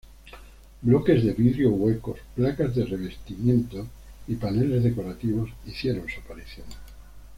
Bloques de vidrio huecos, placas de revestimiento y paneles decorativos hicieron su aparición.